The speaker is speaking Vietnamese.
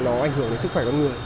nó ảnh hưởng đến sức khỏe con người